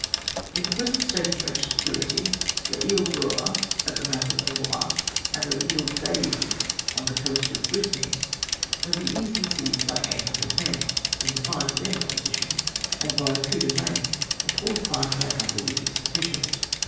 " In the present state of French security, L'lle Groa at the mouth of the Loire, and L'lle Dieu on the coast of Brittany, may be easily seized by 800 men, in defiance of any opposition ; and by a coup de main a fourth part of that number would be sufficient.